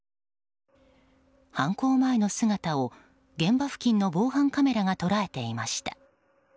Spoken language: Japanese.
犯行前の姿を現場付近の防犯カメラが捉えていました。